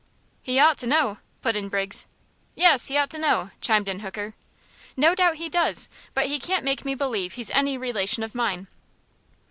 "He ought to know," put in Briggs. "Yes; he ought to know!" chimed in Hooker. "No doubt he does, but he can't make me believe he's any relation of mine."